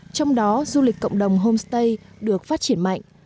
trong đó du lịch cộng đồng homestay được phát triển mạnh